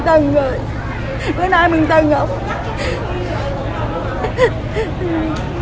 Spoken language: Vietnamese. bữa nay bữa nay một tuần không